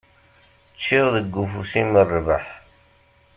Ččiɣ deg ufus-im rrbeḥ.